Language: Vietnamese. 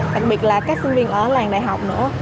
đặc biệt là các sinh viên ở làng đại học nữa